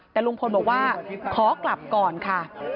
แต่ลุงพลบอกว่าขอกลับก่อนค่ะ